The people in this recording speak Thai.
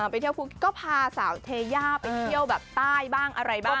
ไปเที่ยวคุกก็พาสาวเทย่าไปเที่ยวแบบใต้บ้างอะไรบ้าง